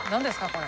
これ。